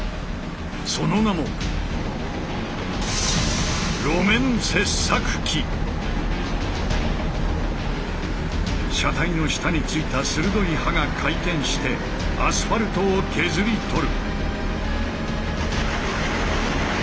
その名も車体の下についた鋭い刃が回転してアスファルトを削り取る。